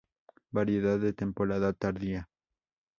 Variedad de temporada tardía.